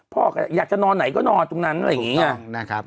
พ่อก็อยากจะนอนไหนก็นอนตรงนั้นอะไรอย่างนี้ไงนะครับ